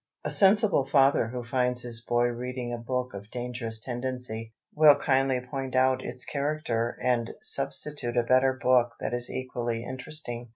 A sensible father who finds his boy reading a book of dangerous tendency, will kindly point out its character and substitute a better book that is equally interesting.